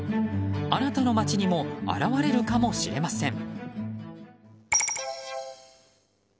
あなたの街にも現れるかもしれません。